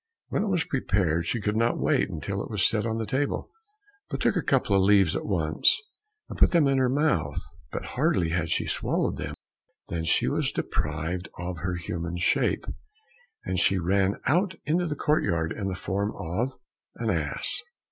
When it was prepared she could not wait until it was set on the table, but took a couple of leaves at once, and put them in her mouth, but hardly had she swallowed them than she was deprived of her human shape, and she ran out into the courtyard in the form of an ass.